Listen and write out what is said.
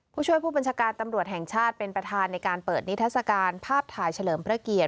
ผู้ช่วยผู้บัญชาการตำรวจแห่งชาติเป็นประธานในการเปิดนิทัศกาลภาพถ่ายเฉลิมพระเกียรติ